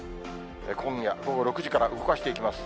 今夜午後６時から動かしていきます。